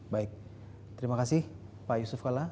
baik terima kasih pak yusuf kalla